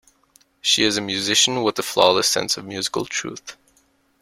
She is a musician with a flawless sense of musical truth.